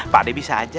pak ade bisa aja